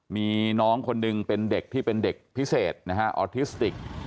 มีน้องคนหนึ่งเป็นเด็กที่เป็นเด็กพิเศษนะฮะออทิสติก